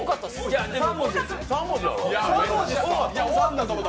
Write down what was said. ３文字やろ？